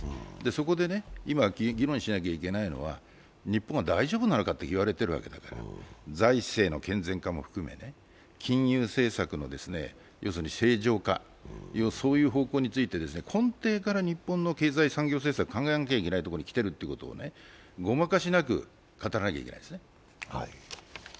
そこで今、議論しなければならないのは日本は大丈夫なのかと言われているわけだから財政の健全化も含め金融政策の正常化、そういう方向について根底から日本の経済産業政策を考えなければいけないところに来ているということをごまかしなく語らなきゃならないですね。